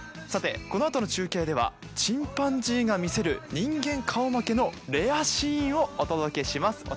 このあとの中継ではチンパンジーが見せる人間顔負けのレアシーンをお届けします。